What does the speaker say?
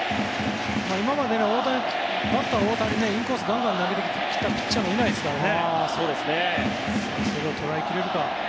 今までのバッター大谷へインコースガンガン投げるピッチャーもいないですからね。